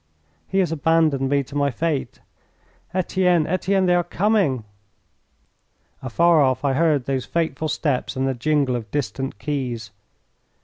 "He has abandoned me to my fate. Etienne, Etienne, they are coming!" Afar off I heard those fateful steps and the jingle of distant keys.